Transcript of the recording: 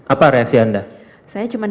apa reaksi anda saya cuma